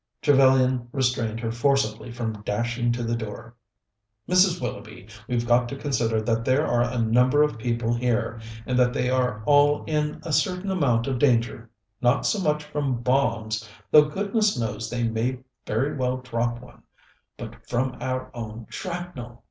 Trevellyan restrained her forcibly from dashing to the door. "Mrs. Willoughby, we've got to consider that there are a number of people here, and that they are all in a certain amount of danger not so much from bombs, though goodness knows they may very well drop one, but from our own shrapnel.